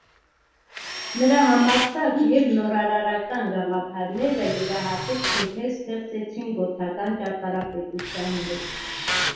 Նրա համարձակ և նորարարական գաղափարները յուրահատուկ սինթեզ ստեղծեցին գոթական ճարտարապետության մեջ։